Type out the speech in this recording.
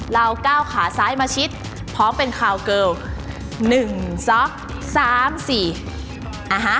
เราก้าวขาซ้ายมาชิดพร้อมเป็นคาวเกิลหนึ่งสองสามสี่อ่าฮะ